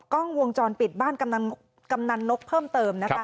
กล้องวงจรปิดบ้านกำนันนกเพิ่มเติมนะคะ